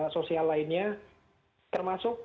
sosial lainnya termasuk